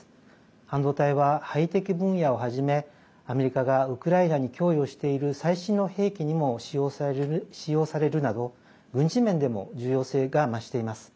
半導体は、ハイテク分野をはじめアメリカがウクライナに供与している最新の兵器にも使用されるなど軍事面でも重要性が増しています。